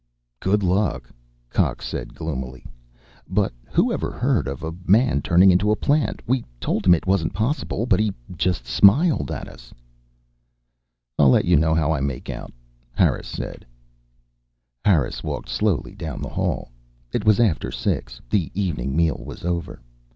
"Good luck," Cox said gloomily. "But who ever heard of a man turning into a plant? We told him it wasn't possible, but he just smiled at us." "I'll let you know how I make out," Harris said. Harris walked slowly down the hall. It was after six; the evening meal was over.